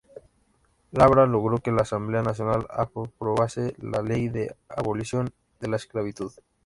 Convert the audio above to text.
Labra logró que la Asamblea Nacional aprobase la Ley de abolición de la esclavitud.